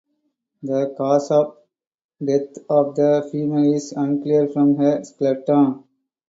The cause of death of the female is unclear from her skeleton.